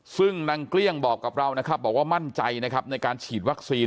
ซึ่งนางเกลี้ยงบอกกับเรานะครับบอกว่ามั่นใจนะครับในการฉีดวัคซีน